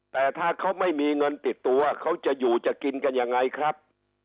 แต่ถ้าเขาไม่มีเงินติดตัวเขาจะอยู่จะกินกันยังไงครับ